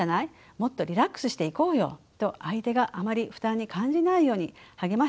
もっとリラックスしていこうよ」と相手があまり負担に感じないように励ましているようにも聞こえます。